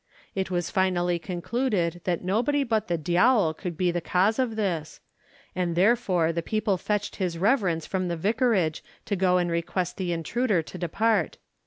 It was finally concluded that nobody but the diawl could be the cause of this, and therefore the people fetched his reverence from the vicarage to go and request the intruder to depart.